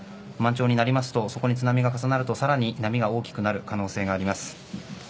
満潮になりますとそこに津波が重なりさらに波が大きくなる可能性があります。